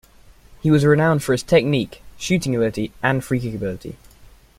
He was renowned for his technique, shooting ability and free kick ability.